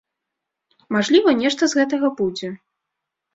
Мажліва, нешта з гэтага будзе.